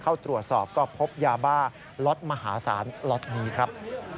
เข้าตรวจสอบก็พบยาบ้าล็อตมหาศาลล็อตนี้ครับ